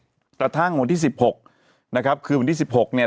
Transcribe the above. กระทั่งวันที่สิบหกนะครับคือวันที่สิบหกเนี่ย